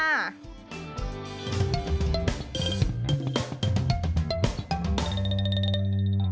ช่วงหน้าเรื่องราวสนุกรออยู่เพียบเลยจ้า